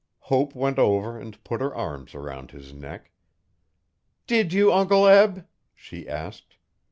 Hope went over and put her arms around his neck. 'Did you, Uncle Eb?' she asked.